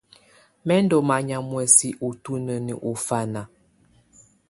Mɛ̀ ndɔ̀ manyà muɛ̀sɛ̀ ù tunǝni ɔ ɔfana.